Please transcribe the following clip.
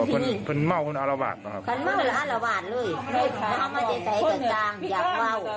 พี่พี่นี่คันเม่าคุณอารวาสนะครับคันเม่าคุณอารวาสเลยอยากเว้า